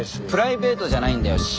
プライベートじゃないんだよ。